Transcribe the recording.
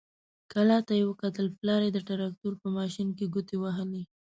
کلا ته يې وکتل، پلار يې د تراکتور په ماشين کې ګوتې وهلې.